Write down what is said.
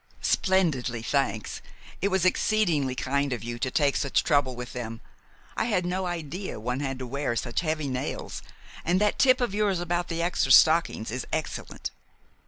"Splendidly, thanks. It was exceedingly kind of you to take such trouble about them. I had no idea one had to wear such heavy nails, and that tip of yours about the extra stockings is excellent."